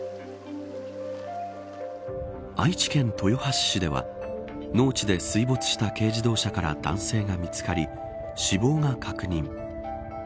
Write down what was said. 愛知県豊橋市では農地で水没した軽自動車から男性が見つかり死亡が確認。